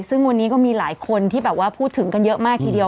ซึ่งวันนี้ก็มีหลายคนที่แบบว่าพูดถึงกันเยอะมากทีเดียว